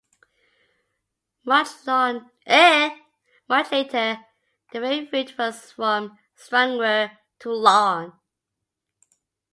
Much later the ferry route was from Stranraer to Larne.